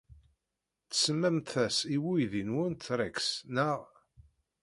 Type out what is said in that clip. Tsemmamt-as i weydi-nwent Rex, naɣ?